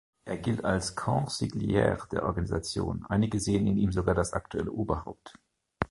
Er gilt als Consigliere der Organisation, Einige sehen in ihm sogar das aktuelle Oberhaupt.